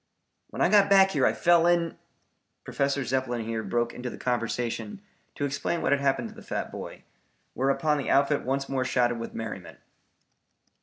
"When I got back here I fell in " Professor Zepplin here broke into the conversation to explain what had happened to the fat boy, whereupon the outfit once more shouted with merriment.